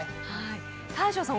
大昇さん